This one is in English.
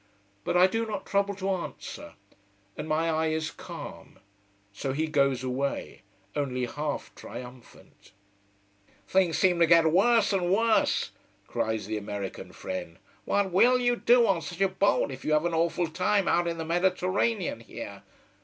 But I do not trouble to answer, and my eye is calm. So he goes away, only half triumphant. "Things seem to get worse and worse!" cries the American friend. "What will you do on such a boat if you have an awful time out in the Mediterranean here?